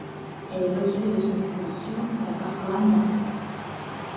Elle est retirée de son exposition à la Corcoran Gallery.